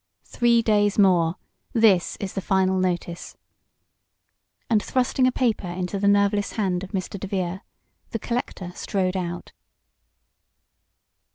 "Three days more this is the final notice," and thrusting a paper into the nerveless hand of Mr. DeVere, the collector strode out.